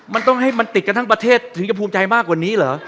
มันต้องให้มันติดกันทั้งประเทศถึงจะภูมิใจมากกว่านี้เหรอ